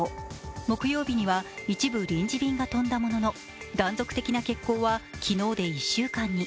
木曜日には一部、臨時便が飛んだものの断続的な欠航は昨日で１週間に。